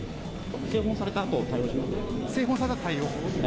製本されたあと対応します。